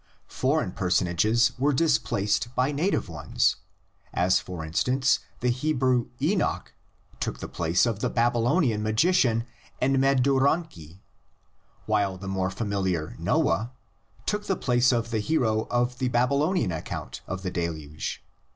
Foreign personages were displaced by native ones: as for instance the Hebrew Enoch took the place of the Babylonian magician Enmeduranki, while the more familiar Noah took the place of the hero in the Babylonian account of the Deluge.